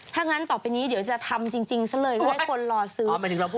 ถ้างั้นต่อไปนี้เดี๋ยวจะทำจริงซะเลยเพื่อให้คนรอซื้อ